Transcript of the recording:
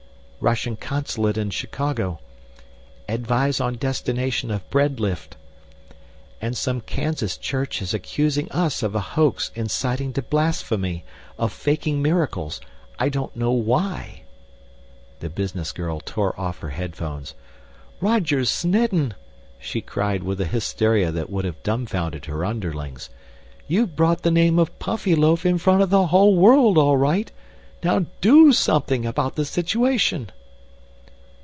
Russian Consulate in Chicago: Advise on destination of bread lift. And some Kansas church is accusing us of a hoax inciting to blasphemy, of faking miracles I don't know why." The business girl tore off her headphones. "Roger Snedden," she cried with a hysteria that would have dumfounded her underlings, "you've brought the name of Puffyloaf in front of the whole world, all right! Now do something about the situation!"